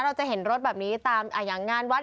เราจะเห็นรถแบบนี้ตามอย่างงานวัด